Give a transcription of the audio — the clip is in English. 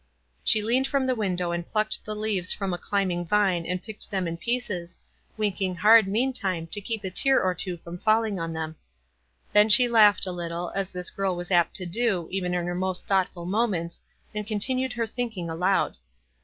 She leaned from the window and plucked leaves from the climbing vine and picked them in pieces, wink ing hard, meantime, to keep a tear or two from falling on them. Then she laughed a little, as this girl was apt to do, even in her most thought ful moments, and continued her thinking aloud.